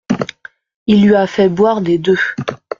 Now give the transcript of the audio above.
Il lui a fait boire des deux.